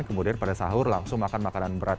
kemudian pada sahur langsung makan makanan berat